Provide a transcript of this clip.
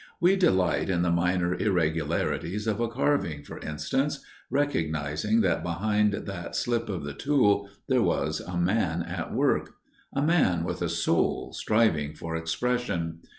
We delight in the minor irregularities of a carving, for instance, recognizing that behind that slip of the tool there was a man at work; a man with a soul, striving for expression.